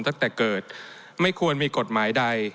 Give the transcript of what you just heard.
ตั้งแต่เกิดไม่ควรมีกฎหมายใด